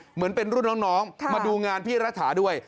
เหมือนเป็นรุ่นน้องมาดูงานพี่รัฐาด้วย